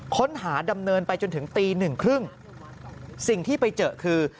ค้นหาดำเนินไปจนถึงตี๑๓๐สิ่งที่ไปเจอคือ